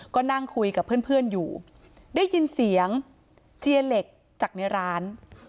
ก็นั่งคุยกับเพื่อนอยู่ได้ยินเสียงเจียเหล็กจากในร้าน